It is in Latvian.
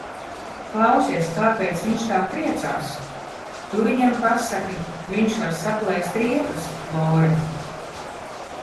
Klausies, kāpēc viņš tā triecās? Tu viņam pasaki, viņš var saplēst riepas, Lora!